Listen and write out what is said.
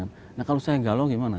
nah kalau saya yang galau gimana